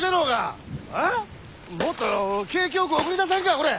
もっと景気よく送り出さんかほれ！